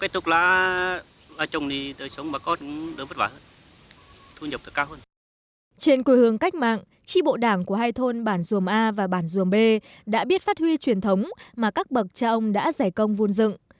trên quê hương cách mạng tri bộ đảng của hai thôn bản duồm a và bản duồm bê đã biết phát huy truyền thống mà các bậc cha ông đã giải công vun dựng